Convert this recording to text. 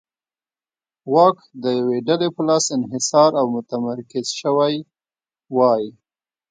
واک د یوې ډلې په لاس انحصار او متمرکز شوی وای.